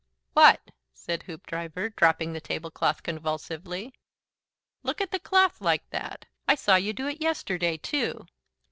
"WHAT?" said Hoopdriver, dropping the tablecloth convulsively. "Look at the cloth like that. I saw you do it yesterday, too."